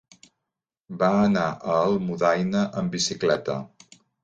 Va anar a Almudaina amb bicicleta.